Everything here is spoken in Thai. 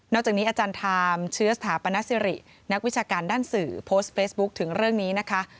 จากนี้อาจารย์ไทม์เชื้อสถาปนสิรินักวิชาการด้านสื่อโพสต์เฟซบุ๊คถึงเรื่องนี้นะคะ